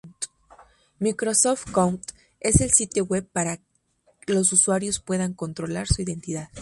Microsoft account es el sitio web para los usuarios puedan controlar su identidad.